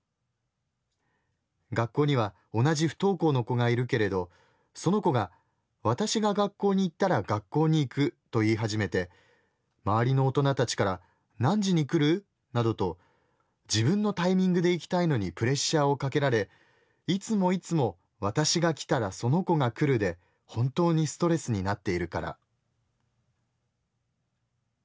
学校には同じ不登校の子がいるけれどその子が私が学校に行ったら学校に行く！と言い始めて周りの大人たちから何時に来る？などと自分のタイミングで行きたいのにプレッシャーをかけられいつもいつも『私が来たらその子が来る』で本当にストレスになっているから」。